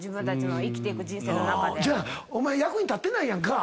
お前役に立ってないやんか。